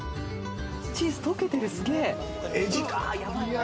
チーズ溶けてる、すげぇ！